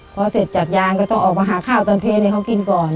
พอเสร็จจากยางก็ต้องออกมาหาข้าวตอนเพลงให้เขากินก่อน